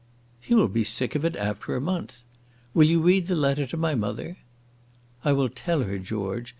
"He will be sick of it after a month. Will you read the letter to my mother?" "I will tell her, George.